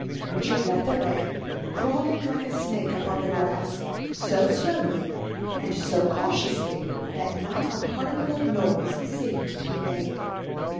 Richard led the way, crawling like a snake upon the grass, so slowly and so cautiously that not a particle of noise seemed to be made.